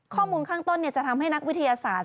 ข้อมูลข้างต้นจะทำให้นักวิทยาศาสตร์